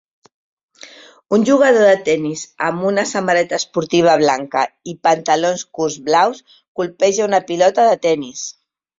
Un jugador de tenis amb una samarreta esportiva blanca i pantalons curts blaus colpeja una pilota de tenis.